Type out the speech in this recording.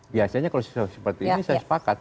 biasanya kalau seperti ini saya sepakat